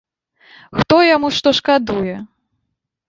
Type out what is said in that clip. Хто яму што шкадуе?